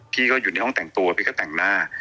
พี่ก็อยู่ในห้องแต่งตัวพี่ก็แต่งหน้า